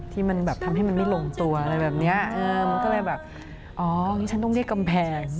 ที่มันแบบทำให้มันไม่ลงตัวอะไรแบบเนี้ยเออมันก็เลยแบบอ๋อนี่ฉันต้องเรียกกำแพง